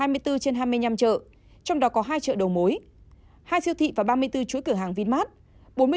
hai mươi bốn trên hai mươi năm chợ trong đó có hai chợ đầu mối hai siêu thị và ba mươi bốn chuỗi cửa hàng vinmart